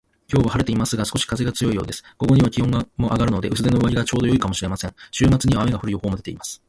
今日は晴れていますが、少し風が強いようです。午後には気温も上がるので、薄手の上着がちょうど良いかもしれません。週末には雨が降る予報も出ています